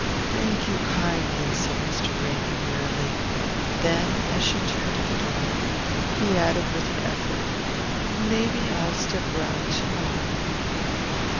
"Thank you kindly," said Mr. Ramy wearily; then, as she turned to the door, he added with an effort: "Maybe I'll step round to morrow."